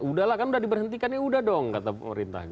udah lah kan udah diberhentikannya udah dong kata pemerintah